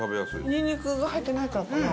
ニンニクが入ってないからかな？